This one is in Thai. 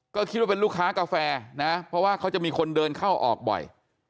ก็คิดว่าเป็นลูกค้ากาแฟนะเพราะว่าเขาจะมีคนเดินเข้าออกบ่อย